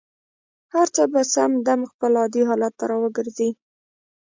هر څه به سم دم خپل عادي حالت ته را وګرځي.